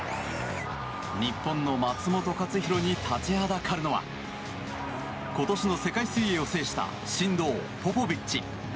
日本の松元克央に立ちはだかるのは今年の世界水泳を制した神童ポポビッチ